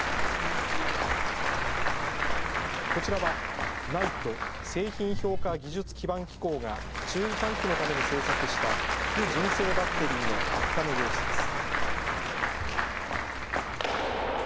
こちらはＮＩＴＥ・製品評価技術基盤機構が注意喚起のために制作した非純正バッテリーの発火の様子です。